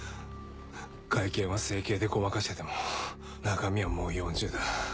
外見は整形でごまかしてても中身はもう４０だ。